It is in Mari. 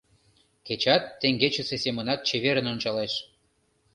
Кечат теҥгечысе семынак чеверын ончалеш.